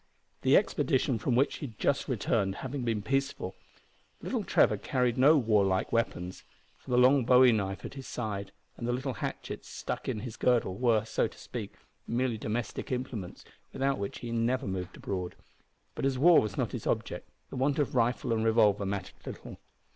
The expedition from which he had just returned having been peaceful, little Trevor carried no warlike weapons for the long bowie knife at his side, and the little hatchet stuck in his girdle, were, so to speak, merely domestic implements, without which he never moved abroad. But as war was not his object, the want of rifle and revolver mattered little.